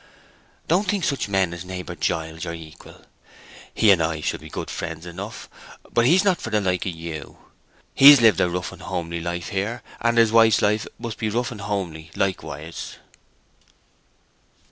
Don't think such men as neighbor Giles your equal. He and I shall be good friends enough, but he's not for the like of you. He's lived our rough and homely life here, and his wife's life must be rough and homely likewise."